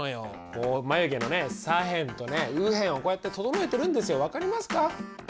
こう眉毛のね左辺とね右辺をこうやって整えてるんですよ分かりますか？